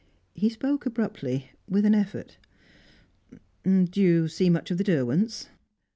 He spoke abruptly, with an effort. "Do you see much of the Derwents?"